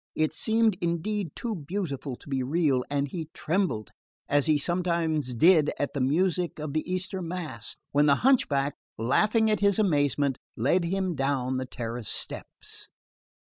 It seemed indeed too beautiful to be real, and he trembled, as he sometimes did at the music of the Easter mass, when the hunchback, laughing at his amazement, led him down the terrace steps.